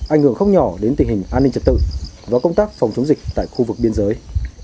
ảnh hưởng không nhỏ đến tình hình an ninh trật tự và công tác phòng chống dịch tại khu vực biên giới